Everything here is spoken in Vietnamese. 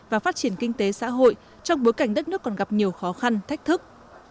và phát triển kinh tế xã hội trong bối cảnh đất nước còn gặp nhiều khó khăn thách thức